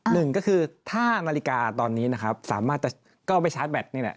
หนึ่งก็คือถ้านาฬิกาตอนนี้นะครับสามารถจะก็เอาไปชาร์จแบตนี่แหละ